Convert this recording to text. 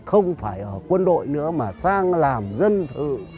không phải ở quân đội nữa mà sang làm dân sự